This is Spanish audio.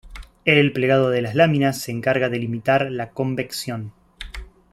El plegado de las láminas se encarga de limitar la convección.